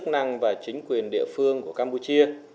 các cơ quan chức năng và chính quyền địa phương của campuchia